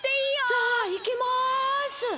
・じゃあいきます！